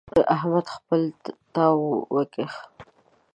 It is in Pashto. احمد خپل تاو وکيښ.